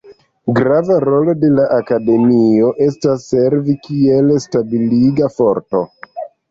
Grava rolo de la Akademio estas servi kiel stabiliga forto.